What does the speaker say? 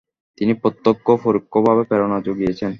তিনি প্রত্যক্ষ ও পরোক্ষভাবে প্রেরণা যুগিয়েছেন।